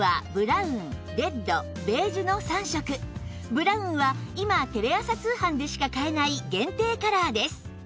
ブラウンは今テレ朝通販でしか買えない限定カラーです